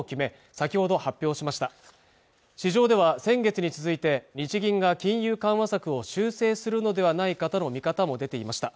先ほど発表しました市場では先月に続いて日銀が金融緩和策を修正するのではないかとの見方も出ていました